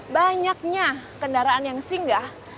banyaknya kendaraan yang singgah